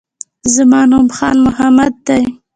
زما نوم خان محمد دی